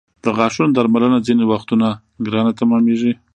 د غاښونو درملنه ځینې وختونه ګرانه تمامېږي.